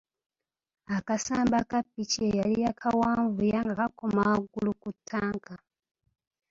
Akasamba ka ppiki ye yali yakawanvuya nga kakoma waggulu ku ttanka.